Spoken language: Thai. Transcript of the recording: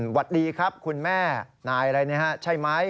สวัสดีครับคุณแม่นายอะไรนะฮะใช่ไหม